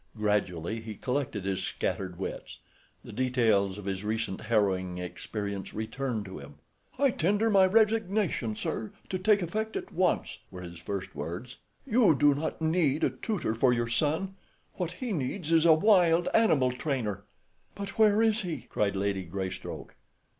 Gradually he collected his scattered wits. The details of his recent harrowing experience returned to him. "I tender my resignation, sir, to take effect at once," were his first words. "You do not need a tutor for your son—what he needs is a wild animal trainer." "But where is he?" cried Lady Greystoke.